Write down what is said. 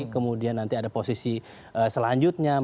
kemudian nanti ada posisi selanjutnya